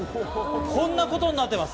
こんなことになっています。